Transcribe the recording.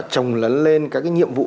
trồng lấn lên các nhiệm vụ